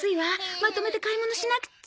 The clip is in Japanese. まとめて買い物しなくっちゃ。